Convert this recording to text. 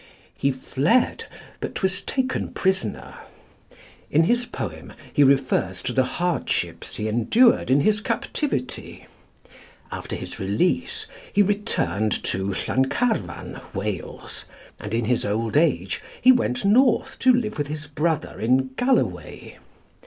He fled, but was taken prisoner. In his poem he refers to the hardships he endured in his captivity. After his release he returned to Llancarvan, Wales, and in his old age he went north to live with his brother in Galloway.